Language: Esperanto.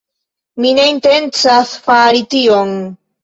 Mi ne intencas fari tion!